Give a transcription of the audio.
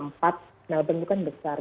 melbourne bukan besar